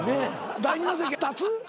第２打席立つ？